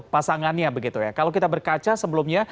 pasangannya begitu ya kalau kita berkaca sebelumnya